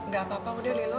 gak apa apa mudah lilo